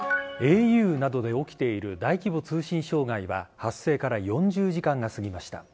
ａｕなどで起きている大規模通信障害は発生から４０時間が過ぎました。